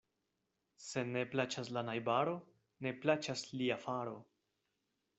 Se ne plaĉas la najbaro, ne plaĉas lia faro.